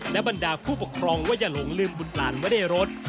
และบรรดาผู้ปกครองว่าอย่าหลงลืมบุตรหลานไว้ในรถ